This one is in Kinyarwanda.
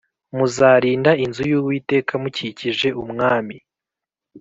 muzarinda inzu y uwiteka mukikije umwami